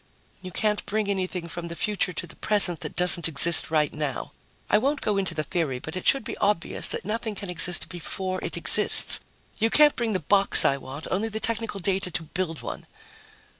"You can't bring anything from the future to the present that doesn't exist right now. I won't go into the theory, but it should be obvious that nothing can exist before it exists. You can't bring the box I want, only the technical data to build one."